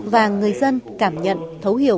và người dân cảm nhận thấu hiểu